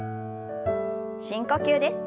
深呼吸です。